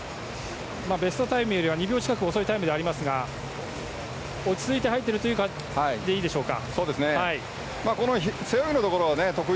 ベストタイムより２秒近く遅いタイムではありますが落ち着いて入っているということでいいでしょうか。